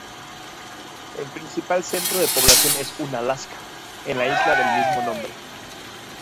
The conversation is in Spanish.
El principal centro de población es Unalaska, en la isla del mismo nombre.